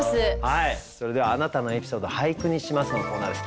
それでは「あなたのエピソード、俳句にします」のコーナーです。